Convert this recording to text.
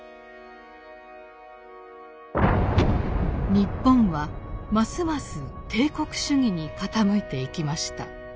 日本はますます帝国主義に傾いていきました。